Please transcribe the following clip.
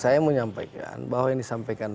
saya menyampaikan bahwa yang disampaikan